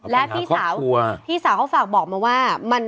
และพี่สาวเขาฝากบอกมาว่า